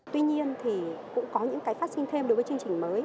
tuy nhiên thì cũng có những cái phát sinh thêm đối với chương trình mới